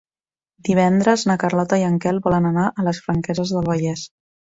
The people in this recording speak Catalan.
Divendres na Carlota i en Quel volen anar a les Franqueses del Vallès.